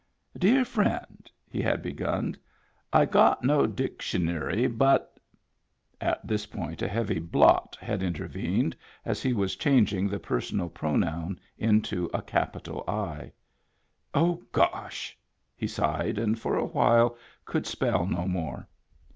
"Dear friend," he had begun, "i got no dic tionery, but —" At this point a heavy blot had intervened as he was changing the personal pronoun into a capital I. " Oh, gosh I " he sighed, and for a while could spell no more.